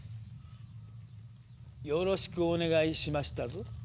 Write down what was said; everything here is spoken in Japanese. よろしくお願いしましたぞ。